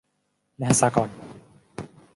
และสหกรณ์